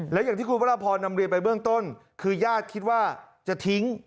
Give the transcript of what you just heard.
แล้วอย่างที่คุณพระราพรนำเรียนไปเบื้องต้นคือญาติคิดว่าจะทิ้ง